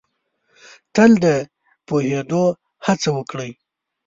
تل د پوهېدو هڅه وکړ ئ